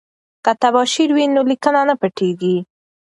که تباشیر وي نو لیکنه نه پټیږي.